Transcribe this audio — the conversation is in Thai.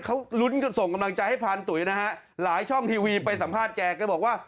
เขาลุ้นส่งกำลังใจให้พรานตุ๋ยนะฮะหลายช่องทีวีไปสัมภาษณ์แกแกบอกว่า